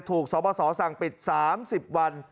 ถูกสอบสอสั่งปิด๓๐วัน